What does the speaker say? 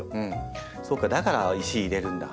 そうかだから石入れるんだ。